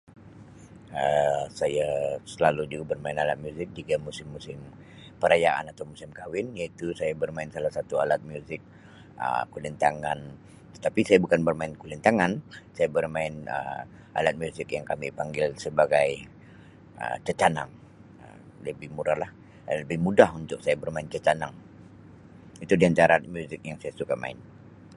Um Saya selalu juga bermain alat muzik juga musim-musim perayaan atau musim-musim kawin iaitu saya bermain salah satu alat muzik Um kulintangan tetapi saya bukan bermain kulintangan saya bermain Um alat muzik yang kami panggil sebagai Um cacanang Um lebih murah lah lebih mudah untuk saya bermain cacanang itu di antara muzik yang saya suka main.